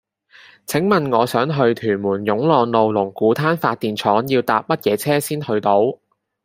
請問我想去屯門湧浪路龍鼓灘發電廠要搭乜嘢車先去到